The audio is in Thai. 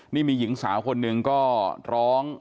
นี่มีหญิงสาวคนหนึ่งก็ร้อง